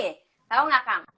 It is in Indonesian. tau gak kang